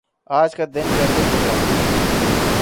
آج کا دن کیسے گزرا؟